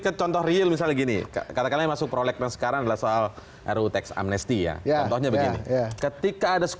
ke contoh real misalnya gini katakanlah masuk prolektas sekarang adalah soal rutex amnesti ya